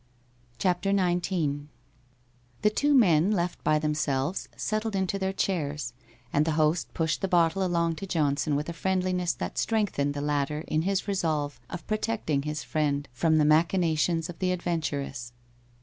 CHAPTER XVIII The two men, left by themselves, settled into their chairs, and the host pushed the bottle along to Johnson with a friendliness that strengthened the latter in his resolve of protecting his friend from the machinations of the ad venturess.